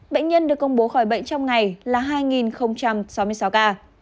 bệnh nhân được công bố khỏi bệnh trong ngày là hai sáu mươi sáu ca